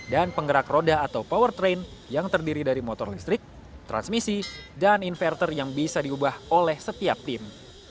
dan penggerak roda atau powertrain yang terdiri dari motor listrik transmisi dan inverter yang bisa diubah oleh setiap tim